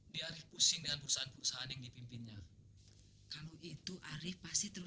namanya anak anak yang penting pinter